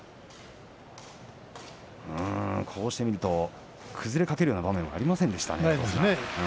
こうして見ると崩れかけるような場面がありませんでしたね。